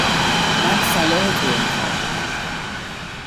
من صلاح تو رو میخوام